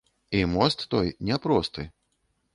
І мост той не просты.